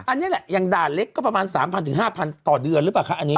อันนี้แหละยังด่านเล็กก็ประมาณ๓๐๐๐ถึง๕๐๐๐ต่อเดือนรึเปล่าคะ